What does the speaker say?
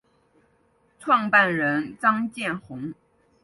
创办人张建宏。